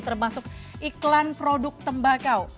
termasuk iklan produk tembakau